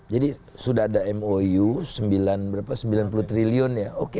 jadi sudah ada mou sembilan puluh triliun